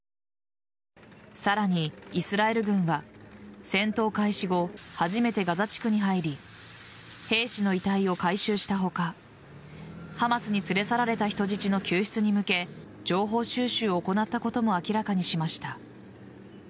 さらに、イスラエル軍は戦闘開始後初めてガザ地区に入り兵士の遺体を回収した他ハマスに連れ去られた人質の救出に向け情報収集を行ったことも明らかにしました。